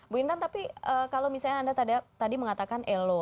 bu intan tapi kalau misalnya anda tadi mengatakan elo